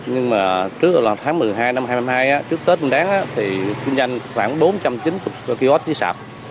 nhưng mà trước là tháng một mươi hai năm hai nghìn hai mươi hai á trước tết nguyên đáng á thì kinh doanh khoảng bốn trăm chín mươi kỳ ối chỉ sạp